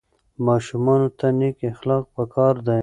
ماشومانو ته نیک اخلاق په کار دي.